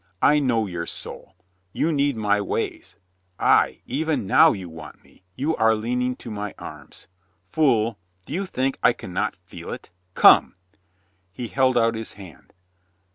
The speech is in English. I know your soul. You need my ways. Ay, even now you want me, you are leaning to my arms. Fool, do you think I can not feel it? "Come!" He held out his hand.